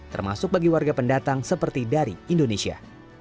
termasuk bagi warga pendatang seperti dari indonesia